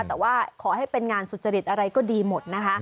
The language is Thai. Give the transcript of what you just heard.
แต่ว่าขอให้เป็นงานสุจริตอะไรก็ดีหมดนะคะ